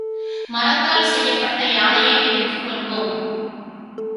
மரத்தால் செய்யப்பட்ட யானையை எடுத்துக்கொள்வோம்.